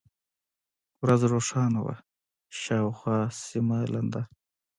ورځ روښانه وه، شاوخوا سیمه لنده.